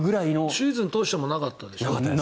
シーズン通してもなかったでしょ